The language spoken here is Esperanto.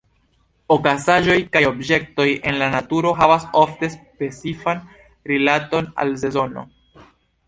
Okazaĵoj kaj objektoj en la naturo havas ofte specifan rilaton al sezono.